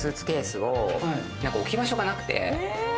置き場所がなくて。